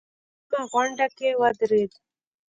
په عامه غونډه کې ودرېد.